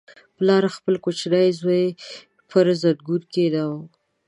• پلار خپل کوچنی زوی پر زنګون کښېناوه.